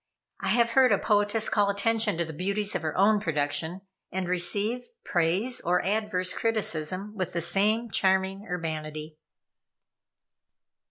I have heard a poetess call attention to the beauties of her own production, and receive praise or adverse criticism with the same charming urbanity.